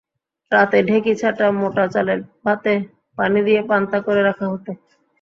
রাতে ঢেঁকি-ছাঁটা মোটা চালের ভাতে পানি দিয়ে পান্তা করে রাখা হতো।